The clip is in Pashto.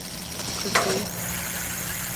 کړکۍ